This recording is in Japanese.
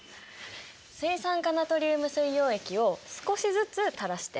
水酸化ナトリウム水溶液を少しずつたらして。